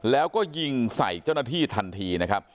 แล้วก็ยิงใส่เจ้าหน้าที่ทันทีนะครับ